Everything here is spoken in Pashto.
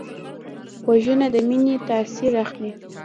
غوږونه د مینې تاثر اخلي